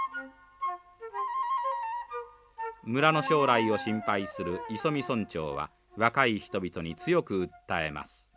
村の将来を心配する村長は若い人々に強く訴えます。